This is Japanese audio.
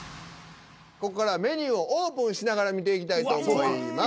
ここからはメニューをオープンしながら見ていきたいと思います。